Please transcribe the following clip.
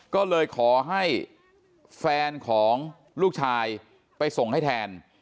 ก็เลยขอให้แฟนของลูกชายไปส่งให้แทน